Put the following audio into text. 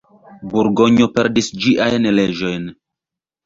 Burgonjo perdis ĝiajn leĝojn.